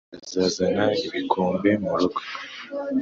bazazana ibikombe murugo